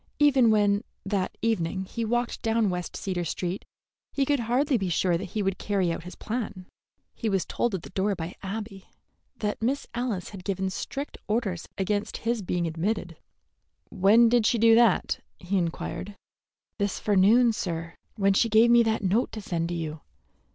Even when, that evening, he walked down West Cedar Street, he could hardly be sure that he would carry out his plan. He was told at the door by Abby that Miss Alice had given strict orders against his being admitted. "When did she do that?" he inquired. "This forenoon, sir, when she gave me that note to send to you.